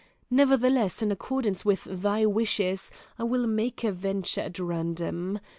Nevertheless, in accordance with thy wishes, I will make a venture at random.